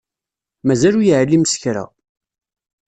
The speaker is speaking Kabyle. Mazal ur yeεlim s kra.